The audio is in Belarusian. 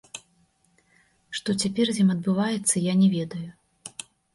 Што цяпер з ім адбываецца, я не ведаю.